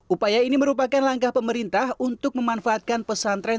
upaya ini merupakan langkah pemerintah untuk memanfaatkan pesantren